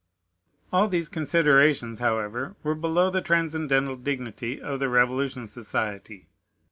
All these considerations, however, were below the transcendental dignity of the Revolution Society.